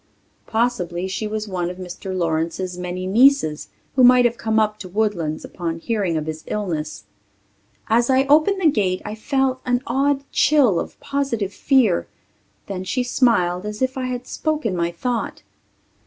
Possibly she was one of Mr. Lawrence's many nieces who might have come up to Woodlands upon hearing of his illness. As I opened the gate I felt an odd chill of positive fear. Then she smiled as if I had spoken my thought.